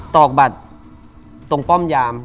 ตอกบัตรตรงป้อมยาม